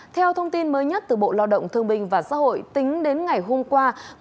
theo thông tin mới nhất từ bộ lao động thương bình và xã hội tính đến ngày hôm qua